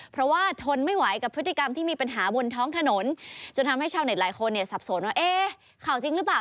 เพราะว่าทนไม่ไหวกับพฤติกรรมที่มีปัญหาบนท้องถนนจนทำให้ชาวเน็ตหลายคนเนี่ยสับสนว่าเอ๊ะข่าวจริงหรือเปล่า